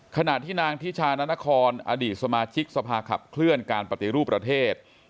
ขณะที่นางทิชานานครอดีตสมาชิกสภาขับเคลื่อนการปฏิรูปประเทศ